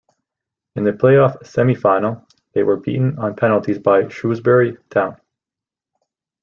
In the play-off semi-final they were beaten on penalties by Shrewsbury Town.